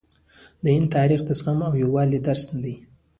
د هند تاریخ د زغم او یووالي درس دی.